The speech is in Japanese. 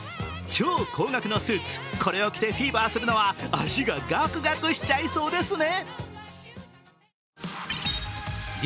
超高額のスーツ、これを着てフィーバーするのは足がガクガクしちゃいそうですね。